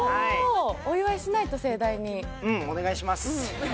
お祝いしないと盛大にうんお願いします